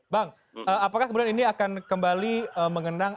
bang apakah kemudian ini akan kembali mengenang